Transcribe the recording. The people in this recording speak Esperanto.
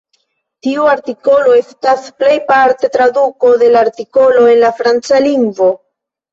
Tiu artikolo estas plejparte traduko de la artikolo en la franca lingvo.